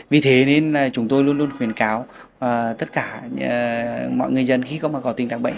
vì thế nên chúng tôi luôn luôn khuyến cáo tất cả mọi người dân khi mà có tình trạng bệnh